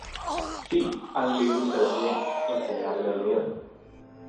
Sí, han leído ustedes bien: enseñarle a leer.